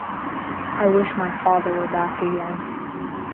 I wish my father were back again.